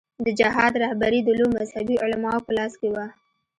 د جهاد رهبري د لویو مذهبي علماوو په لاس کې وه.